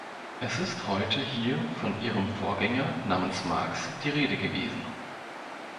Es ist heute hier von Ihrem Vorgänger namens Marx die Rede gewesen.